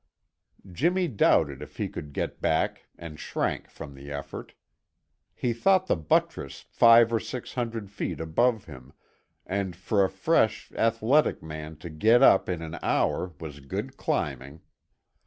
Jimmy doubted if he could get back and shrank from the effort. He thought the buttress five or six hundred feet above him, and for a fresh, athletic man to get up in an hour was good climbing.